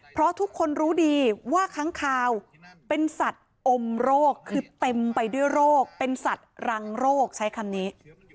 เพราะทุกคนรู้ดีว่าค้างคาวเป็นสัตว์อมโรคคือเต็มไปด้วยโรคเป็นสัตว์รังโรคใช้คำนี้